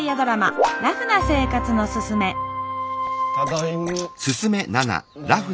ただいま。